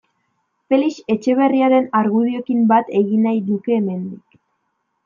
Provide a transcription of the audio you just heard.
Felix Etxeberriaren argudioekin bat egin nahi nuke hemendik.